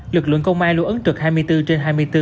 lực lượng công ai lưu ấn trực hai mươi bốn trên hai mươi bốn